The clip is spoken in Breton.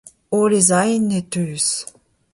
Holl ez aint e teuz.